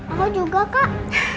aku juga kak